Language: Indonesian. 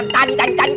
tadi tadi tadi